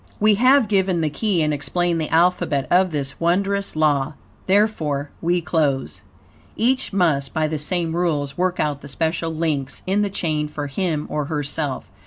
We have given the key and explained the alphabet of this wondrous law; therefore we close. Each must, by the same rules, work out the special links in the chain for him or herself.